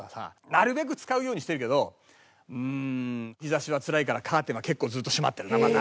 なるべく使うようにしてるけど日差しがつらいからカーテンは結構ずっと閉まってるなまた。